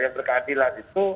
yang berkeadilan itu